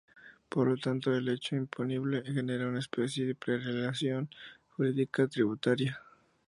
Por lo tanto el hecho imponible genera una especie de pre-relación jurídica tributaria.